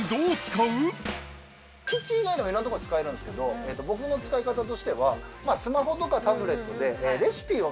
キッチン以外のいろんな所で使えるんですけど僕の使い方としてはスマホとかタブレットで。